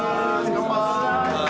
乾杯！